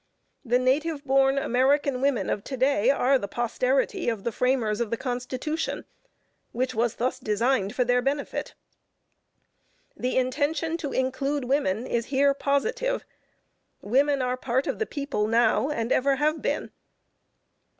The native born American women of to day, are the posterity of the framers of the Constitution, which was thus designed for their benefit. The intention to include women is here positive; women are part of the people now, and ever have been.